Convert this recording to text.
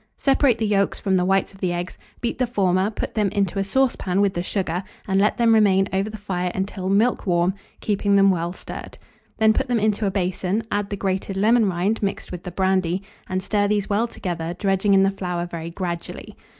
Separate the yolks from the whites of the eggs; beat the former, put them into a saucepan with the sugar, and let them remain over the fire until milk warm, keeping them well stirred. Then put them into a basin, add the grated lemon rind mixed with the brandy, and stir these well together, dredging in the flour very gradually.